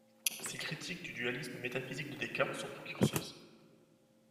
Ses critiques du dualisme métaphysique de Descartes sont précurseuses.